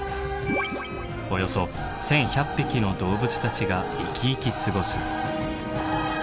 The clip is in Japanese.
およそ１，１００匹の動物たちがイキイキ過ごす！